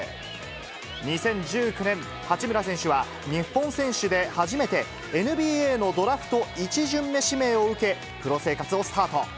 ２０１９年、八村選手は、日本選手で初めて、ＮＢＡのドラフト１巡目指名を受け、プロ生活をスタート。